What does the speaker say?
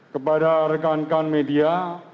kepada rekan rekan media